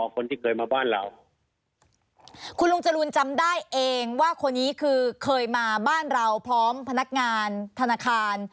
คนที่เคยมาบ้านเราคุณลุงจรูนจำได้เองว่าคนนี้คือเคยมาบ้านเราพร้อมพนักงานธนาคาร